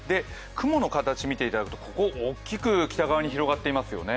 雲の形を見ていただくと、大きく北側に広がっていますよね。